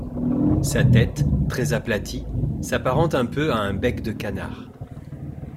Sa tête, très aplatie, s'apparente un peu à un bec de canard.